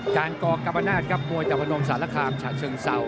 การก่อกับป้านาศกับมวยจากพนมสาระคามฉาเชิงเศร้า